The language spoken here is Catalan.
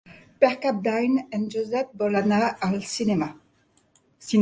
Per Cap d'Any en Josep vol anar al cinema.